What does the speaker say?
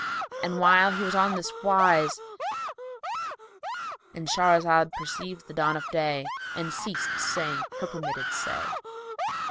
And while he was on this wise,—And Shahrazad perceived the dawn of day and ceased saying her permitted say.